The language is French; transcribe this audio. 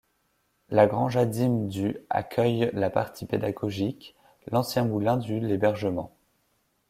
La grange à dîme du accueille la partie pédagogique, l'ancien moulin du l'hébergement.